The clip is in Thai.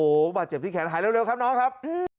โอ้โหบาดเจ็บที่แขนหายเร็วครับน้องครับ